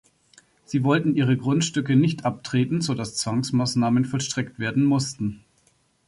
Sie wollten ihre Grundstücke nicht abtreten, sodass Zwangsmaßnahmen vollstreckt werden mussten.